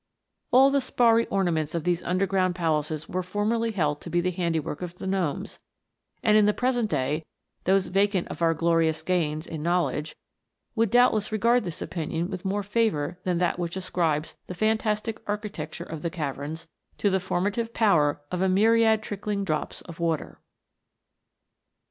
All the sparry ornaments of these underground palaces were formerly held to be the handiwork of the gnomes ; and in the present day, those " vacant of our glorious gains" in knowledge, would doubt less regard this opinion with more favour than that which ascribes the fantastic architecture of the caverns to the formative power of a myriad trickling drops of water.